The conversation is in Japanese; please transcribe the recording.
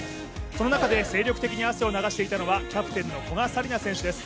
その中で精力的に汗を流していたのはキャプテンの古賀紗理那選手です。